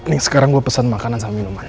ini sekarang gue pesen makanan sama minuman